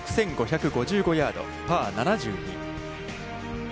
６５５５ヤード、パー７２。